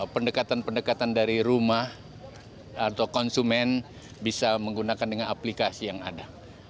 pendekatan pendekatan dari rumah atau konsumen bisa menggunakan dengan aplikasi yang ada